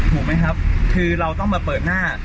ถูกไหมครับคือเราต้องมาเปิดหน้า